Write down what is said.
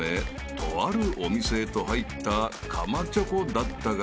とあるお店へと入ったかまチョコだったが］